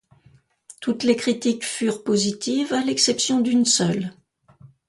Toutes les critiques furent positives à l’exception d’une seule.